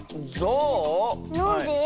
なんで？